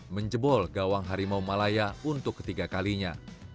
menjebol gawang harimau malaya untuk ketiga kalinya